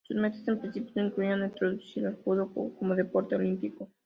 Sus metas en principio no incluían el introducir al judo como deporte olímpico.